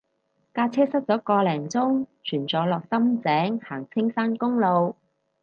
架車塞咗個零鐘轉咗落深井行青山公路